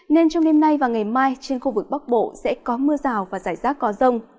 nên trong đêm nay và ngày mai trên khu vực bắc bộ sẽ có mưa rào và rải rác có rông